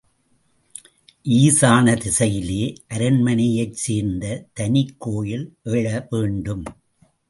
ஈசான திசையிலே அரண்மனையைச் சேர்ந்த தனிக் கோயில் எழ வேண்டும்.